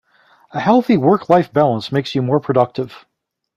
A healthy work life balance makes you more productive.